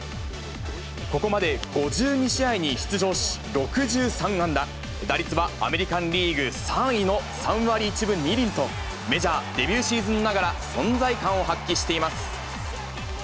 ここまで５２試合に出場し、６３安打、打率はアメリカンリーグ３位の３割１分２厘と、メジャーデビューシーズンながら、存在感を発揮しています。